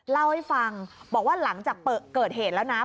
เล่าให้ฟังบอกว่าหลังจากเกิดเหตุแล้วนะ